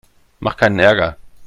Mach keinen Ärger!